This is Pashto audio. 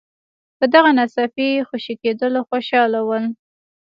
په دغه ناڅاپي خوشي کېدلو خوشاله ول.